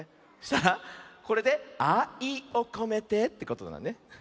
そしたらこれで「あいをこめて」ってことだね。